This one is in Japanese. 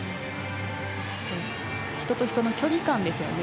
人と人の距離感ですね。